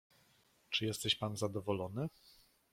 "Czy jesteś pan zadowolony?"